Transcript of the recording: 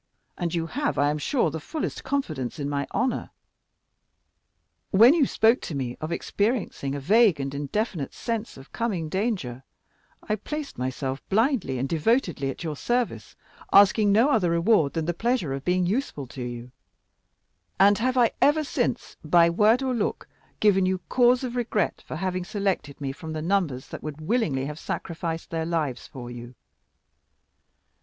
And you have, I am sure, the fullest confidence in my honor. When you spoke to me of experiencing a vague and indefinite sense of coming danger, I placed myself blindly and devotedly at your service, asking no other reward than the pleasure of being useful to you; and have I ever since, by word or look, given you cause of regret for having selected me from the numbers that would willingly have sacrificed their lives for you?